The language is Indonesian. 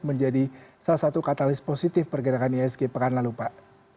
menjadi salah satu katalis positif pergerakan isg pekan lalu pak